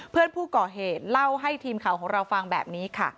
เพื่อนผู้ก่อเหตุเล่าให้ทีมข่าวของเราฟังแบบนี้ค่ะ